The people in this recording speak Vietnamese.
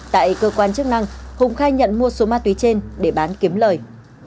tại cơ quan chức năng hùng khai nhận mua số ma túy trên để bán kiếm lời